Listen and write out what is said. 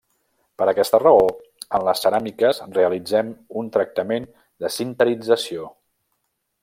Per aquesta raó, en les ceràmiques realitzem un tractament de sinterització.